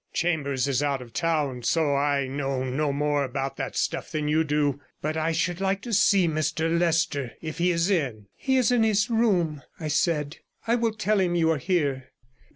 'Chambers is out of town, so I know no more about that stuff than you do. But I should like to see Mr Leicester, if he is in.' 'He is in his room,' I said; 'I will tell him you are here.'